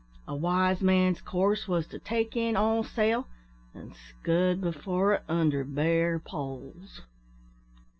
a wise man's course wos to take in all sail, an' scud before it under bare poles."